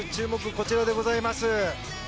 こちらでございます。